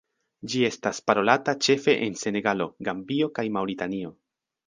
Ĝi estas parolata ĉefe en Senegalo, Gambio kaj Maŭritanio.